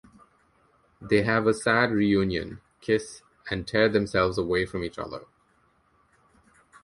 They have a sad reunion, kiss and tear themselves away from each other.